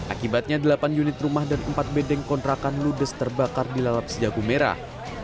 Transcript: akibatnya delapan unit rumah dan empat bedeng kontrakan ludes terbakar di lalap sejagung merah